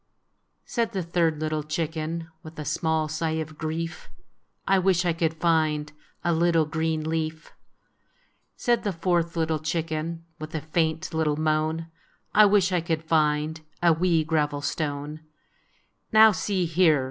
" Said the third little chicken, With a small sigh of grief, " I wish I could find A little green leaf! " Said the fourth little chicken, With a faint little moan, " I wish I could find A wee gravel stone !" "Now, see here!"